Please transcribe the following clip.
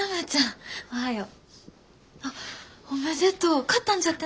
あっおめでとう。